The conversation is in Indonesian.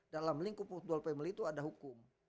dalam lingkup futuall family itu ada hukum